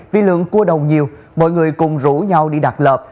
vì lượng cua đồng nhiều mọi người cùng rủ nhau đi đặt lợp